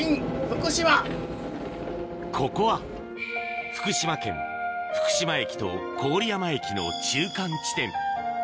ここは福島県福島駅と郡山駅の中間地点